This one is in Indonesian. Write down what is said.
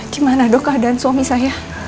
gimana dok keadaan suami saya